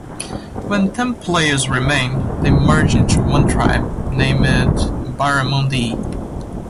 When ten players remained, they merged into one tribe, named Barramundi.